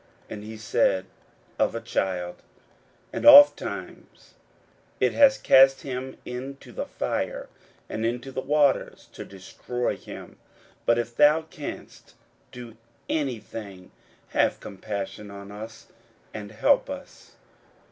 And he said, Of a child. 41:009:022 And ofttimes it hath cast him into the fire, and into the waters, to destroy him: but if thou canst do any thing, have compassion on us, and help us.